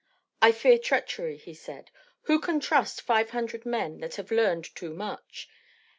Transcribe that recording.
"I fear treachery," he said. "Who can trust five hundred men that have learned too much?